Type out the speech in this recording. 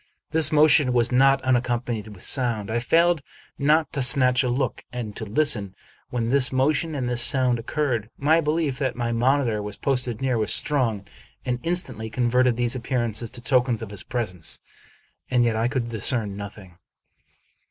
This motion was not unaccompanied with sound. I failed not to snatch a look and to listen when this motion and this sound occurred. My belief that my monitor was posted near was strong, and instantly converted these appearances to tokens of his pres ence ; and yet I could discern nothing.